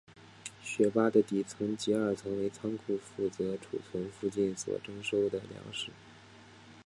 雪巴的底层及二层为仓库负责存储附近所征收的粮食。